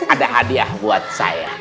ada hadiah buat saya